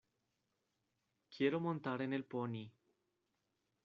Quiero montar en el pony.